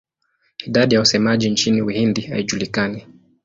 Idadi ya wasemaji nchini Uhindi haijulikani.